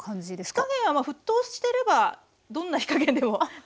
火加減は沸騰してればどんな火加減でも大丈夫です。